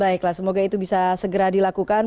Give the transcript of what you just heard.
baiklah semoga itu bisa segera dilakukan